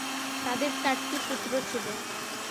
তাদের চারটি পুত্র ছিল।